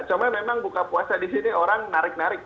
cuma memang buka puasa di sini orang narik narik